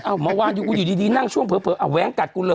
เอ้าเมื่อวานอยู่กูอยู่ดีนั่งช่วงเผลอแว้งกัดกูเลย